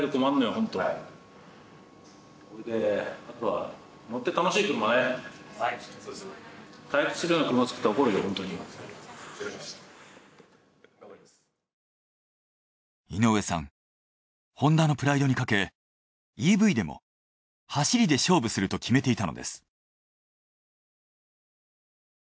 ホンダのプライドにかけＥＶでも走りで勝負すると決めていたのです。